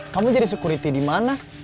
kamu jadi security di mana